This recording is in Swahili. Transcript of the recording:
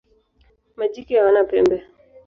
Majike hawana pembe.